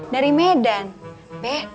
dari medan be